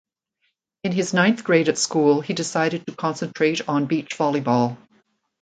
In his ninth grade at school he decided to concentrate on beach volleyball.